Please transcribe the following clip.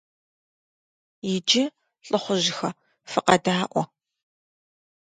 Иджы, лӀыхъужьхэ, фыкъэдаӀуэ!